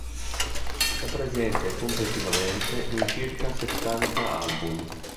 È presente complessivamente in circa settanta album.